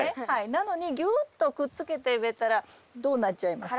なのにぎゅっとくっつけて植えたらどうなっちゃいます？